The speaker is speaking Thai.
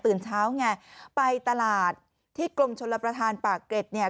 เช้าไงไปตลาดที่กรมชลประธานปากเกร็ดเนี่ย